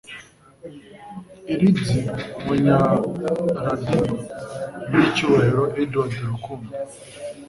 I Leeds, umunyamadini, nyiricyubahiro Edward Rukundo,